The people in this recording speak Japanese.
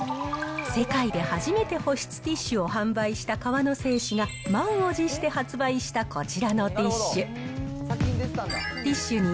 世界で初めて保湿ティッシュを販売した河野製紙が満を持して発売したこちらのティッシュ。